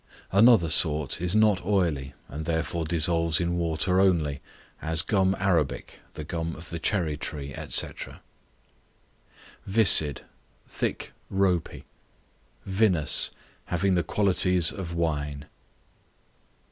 Another sort is not oily, and therefore dissolves in water only, as gum Arabic, the gum of the cherry tree, &c. Viscid, thick, ropy. Vinous, having the qualities of wine.